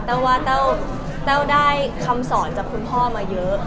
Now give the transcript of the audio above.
ว่าแต้วได้คำสอนจากคุณพ่อมาเยอะ